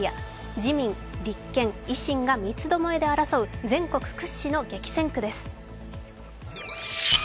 自民、立憲、維新がみつどもえで争う全国屈指の激戦区です。